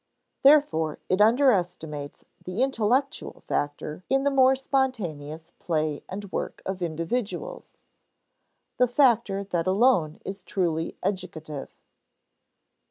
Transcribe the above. Therefore it underestimates the intellectual factor in the more spontaneous play and work of individuals the factor that alone is truly educative.